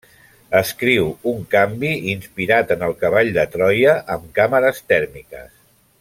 Escriu un canvi inspirat en el Cavall de Troia amb càmeres tèrmiques.